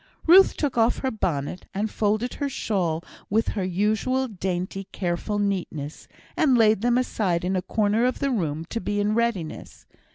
Ruth took off her bonnet, and folded her shawl with her usual dainty, careful neatness, and laid them aside in a corner of the room to be in readiness.